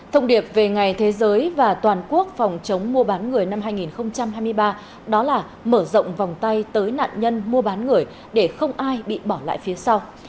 thông điệp về ngày thế giới và toàn quốc phòng chống mua bán người năm hai nghìn hai mươi ba đó là mở rộng vòng tay tới nạn nhân mua bán người để không ai bị bỏ lại phía sau